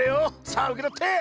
さあうけとって！